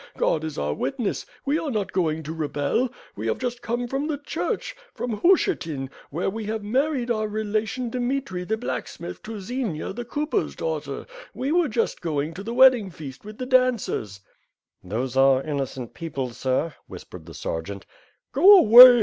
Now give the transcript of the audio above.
God is our witness! We are not going to rebel. We have just come from the church, from Hushiatyn, where we have just married our relation Dymitri the blacksmith to Xenia the cooper's daughter. We were just going to the wedding feast with the dancers.'^ *'Tho8e are innocent people, Sir," whispered the sergeant. "Go away!